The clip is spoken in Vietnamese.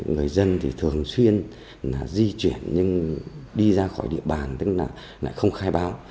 người dân thì thường xuyên di chuyển nhưng đi ra khỏi địa bàn tức là lại không khai báo